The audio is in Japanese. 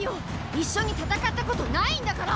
一緒に戦ったことないんだから！